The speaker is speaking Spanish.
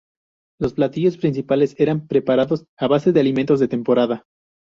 Los platillos principales eran preparados a base de alimentos de temporada.